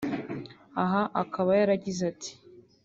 aha akaba yaragize ati